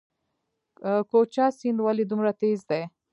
کوکچه سیند ولې دومره تیز دی؟